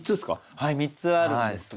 はい３つあるんですが。